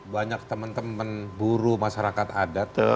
banyak teman teman buruh masyarakat adat